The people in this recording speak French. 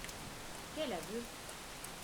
Quel aveu